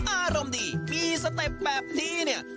อารมณ์ดีมีสเต็ปแบบนี้เนี่ย